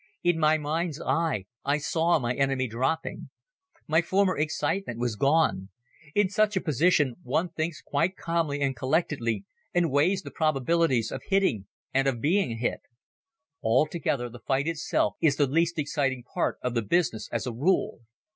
In my mind's eye I saw my enemy dropping. My former excitement was gone. In such a position one thinks quite calmly and collectedly and weighs the probabilities of hitting and of being hit. Altogether the fight itself is the least exciting part of the business as a rule.